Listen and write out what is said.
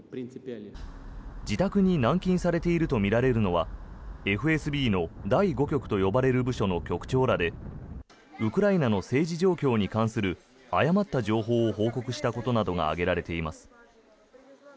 自宅に軟禁されているとみられるのはＦＳＢの第５局と呼ばれる部署の局長らでウクライナの政治状況に関する誤った情報を報告したことなどが挙げられています。